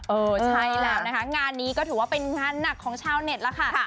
เออใช่แล้วนะคะงานนี้ก็ถือว่าเป็นงานหนักของชาวเน็ตแล้วค่ะ